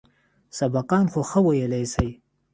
سبقان خو ښه ويلى سئ.